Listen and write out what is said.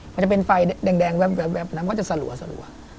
มันจะเป็นไฟแดงแว๊บนั้นก็จะสลัว